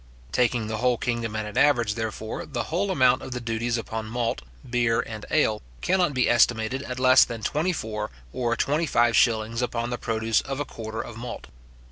Taking the whole kingdom at an average, therefore, the whole amount of the duties upon malt, beer, and ale, cannot be estimated at less than twenty four or twenty five shillings upon the produce of a quarter of malt.